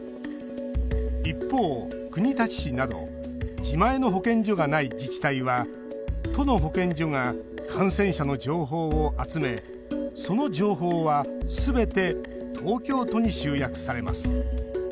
一方、国立市など自前の保健所がない自治体は都の保健所が感染者の情報を集めその情報はすべて東京都に集約されます。